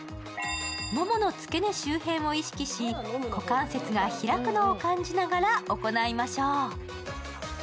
ももの付け根周辺を意識し、股関節が開くのを感じながら行いましょう。